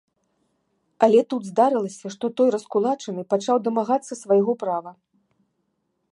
Але тут здарылася, што той раскулачаны пачаў дамагацца свайго права.